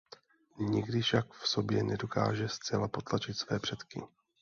Nikdy však v sobě nedokáže zcela potlačit své předky.